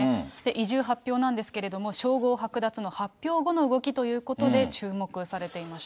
移住発表なんですけれども、称号剥奪の発表後の動きということで、注目されていました。